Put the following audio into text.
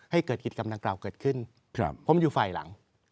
ให้เกิดกิจกรรมดังกล่าวเกิดขึ้นผมอยู่ฝ่ายหลัง